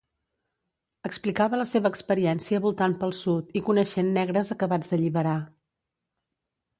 Explicava la seva experiència voltant pel Sud i coneixent negres acabats d'alliberar.